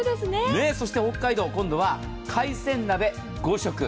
北海道、今度は海鮮鍋５食。